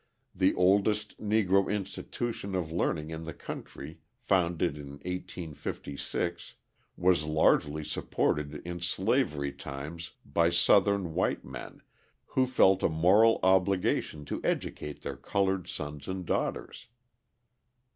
the oldest Negro institution of learning in the country, founded in 1856, was largely supported in slavery times by Southern white men who felt a moral obligation to educate their coloured sons and daughters.